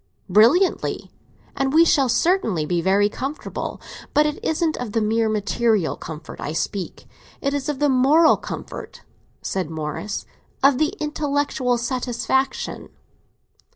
"Brilliantly, and we shall certainly be very comfortable. But it isn't of the mere material comfort I speak; it is of the moral comfort," said Morris—"of the intellectual satisfaction!"